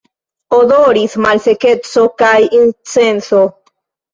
Odoris malsekeco kaj incenso.